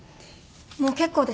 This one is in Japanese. もう結構です。